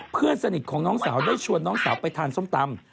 เพื่อนสนิทของน้องสาวได้ชวนน้องสาวไปทานส้มตำ